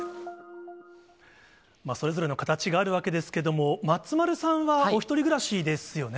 それぞれの形があるわけですけれども、松丸さんはお１人暮らしですよね。